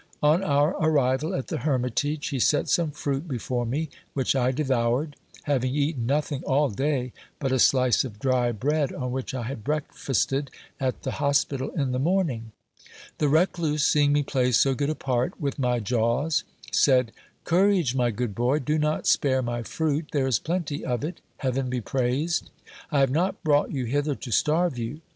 On our arrival at the hermitage he set some fruit before me, which I devoured, having eaten nothing all day but a slice of dry bread, on which I had breakfasted at the hospital in the morning. The recluse, seeing me play so good a part with my jaws, said : Courage, my good boy, do not spare my fruit ; there is plenty of it Heaven be praised. I have not brought you hither to starve you.